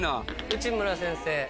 内村先生